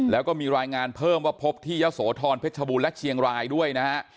แล้วก็มีรายงานเพิ่มว่าพบที่ยะโสธรเพชรบูรณและเชียงรายด้วยนะฮะ